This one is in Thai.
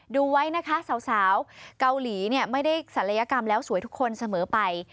ดูไว้นะคะสาวเกาหลีไม่ได้ศัลยกรรมแล้วสวยทุกคนเสมอไป